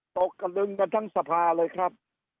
ตกกระลึงกันทั้งสภาเลยครับ